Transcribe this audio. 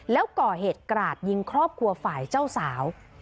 แล้วก่อเหตุกราดยิงครอบครัวฝ่ายเจ้าสาว